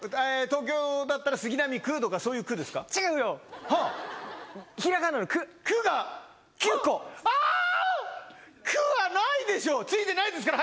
東京だったら、杉並区とかそういう区ですか？